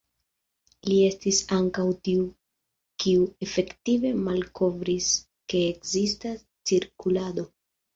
Li estis ankaŭ tiu kiu efektive malkovris ke ekzistas cirkulado.